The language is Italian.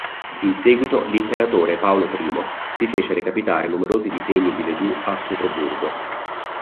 In seguito l'imperatore Paolo I si fece recapitare numerosi disegni di Ledoux a Pietroburgo.